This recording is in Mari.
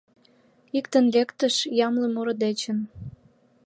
Иктын лектыш — ямле муро дечын;